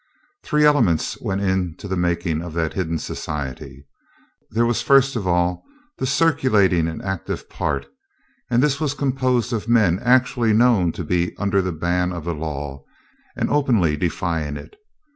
Three elements went into the making of that hidden society. There was first of all the circulating and active part, and this was composed of men actually known to be under the ban of the law and openly defying it.